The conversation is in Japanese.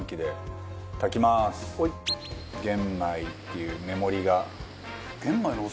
「玄米」っていう目盛りが。